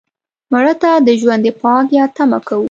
مړه ته د ژوند د پاک یاد تمه کوو